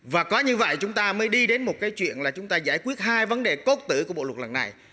và có như vậy chúng ta mới đi đến một cái chuyện là chúng ta giải quyết hai vấn đề cốt tử của bộ luật lần này